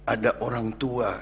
ada orang tua